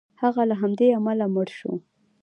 هغه له همدې امله مړ شو.